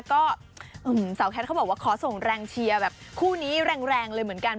ก็สาวแคทเขาบอกว่าขอส่งแรงเชียร์แบบคู่นี้แรงเลยเหมือนกัน